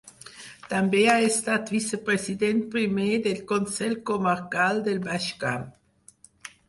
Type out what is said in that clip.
També ha estat vicepresident primer del Consell Comarcal del Baix Camp.